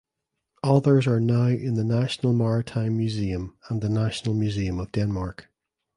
Others are now in the National Maritime Museum and the National Museum of Denmark.